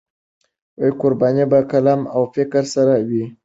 قرباني په قلم او فکر سره وي.